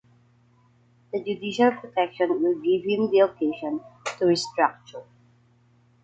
The judicial protection will give him the occasion to restructure.